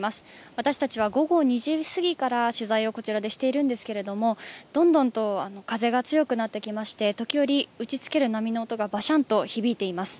私たちは午後２時すぎから取材をこちらでしているんですけれども、どんどんと、風が強くなってきまして時折、打ちつける波の音がバシャンと響いています。